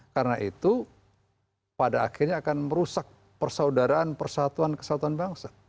karena itu pada akhirnya akan merusak persaudaraan persatuan kesatuan bangsa